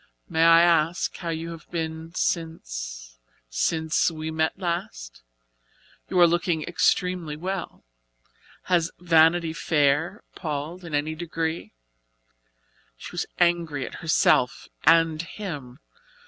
"May I ask how you have been since since we met last? You are looking extremely well. Has Vanity Fair palled in any degree?" She was angry at herself and him.